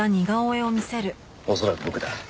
恐らく僕だ。